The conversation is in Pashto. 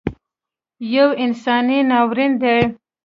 یو انساني ناورین دی